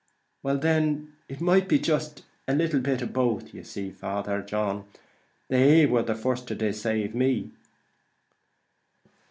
"Well then, it might be jist a little of both; but you see, Father John, they war the first to decave me."